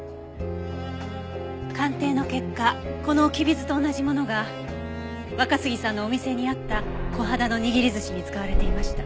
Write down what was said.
鑑定の結果このきび酢と同じものが若杉さんのお店にあったコハダの握り寿司に使われていました。